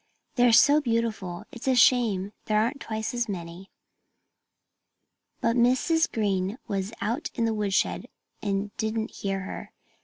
"They're so beautiful it's a shame there aren't twice as many." But Mrs. Green was out in the woodshed and didn't hear her.